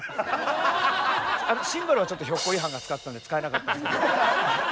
シンバルはちょっとひょっこりはんが使ってたんで使えなかったんですけど。